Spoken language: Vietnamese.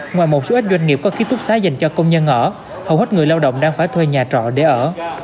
ngoài một số ít doanh nghiệp có ký túc xá dành cho công nhân ở hầu hết người lao động đang phải thuê nhà trọ để ở